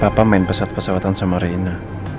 papa main pesawat pesawatan sama reina